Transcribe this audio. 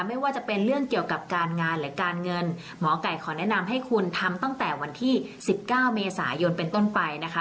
ไม่ว่าจะเป็นเรื่องเกี่ยวกับการงานหรือการเงินหมอไก่ขอแนะนำให้คุณทำตั้งแต่วันที่๑๙เมษายนเป็นต้นไปนะคะ